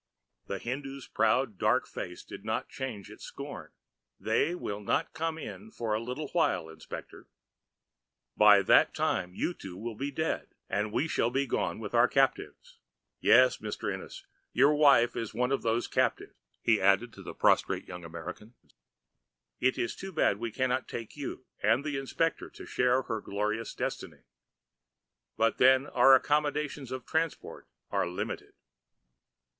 The Hindoo's proud, dark face did not change its scorn. "They will not come in for a little while, inspector. By that time you two will be dead and we shall be gone with our captives. Yes, Mr. Ennis, your wife is one of those captives," he added to the prostrate young American. "It is too bad we cannot take you and the inspector to share her glorious destiny, but then our accommodations of transport are limited."